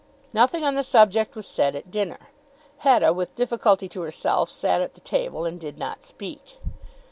Nothing on the subject was said at dinner. Hetta with difficulty to herself sat at the table, and did not speak.